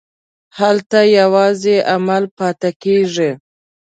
هلته یوازې عمل پاتې کېږي.